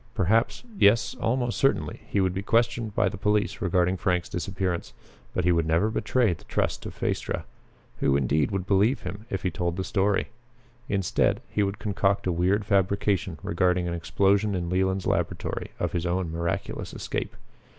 Perhaps yes, almost certainly, he would be questioned by the police regarding Frank's disappearance. But he would never betray the trust of Phaestra. Who indeed would believe him if he told the story? Instead, he would concoct a weird fabrication regarding an explosion in Leland's laboratory, of his own miraculous escape.